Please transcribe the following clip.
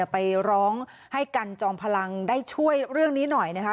ไปร้องให้กันจอมพลังได้ช่วยเรื่องนี้หน่อยนะคะ